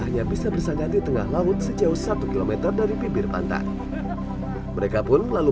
hanya bisa bersanggar di tengah laut sejauh satu km dari bibir pantai mereka pun lalu